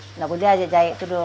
nggak boleh aja jahit terus